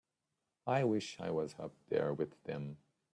I wish I was up there with them.